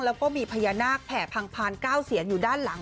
แล้วก็มีพญานาคแผ่พังพาน๙เสียนอยู่ด้านหลัง